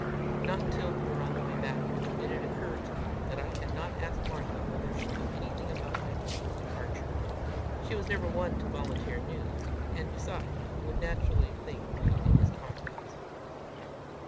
Not until we were on the way back, did it occur to me that I had not asked Martha whether she knew anything about my uncle's departure. She was never one to volunteer news, and, besides, would naturally think me in his confidence!